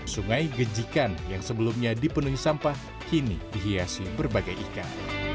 sungai gejikan yang sebelumnya dipenuhi sampah kini dihiasi berbagai ikan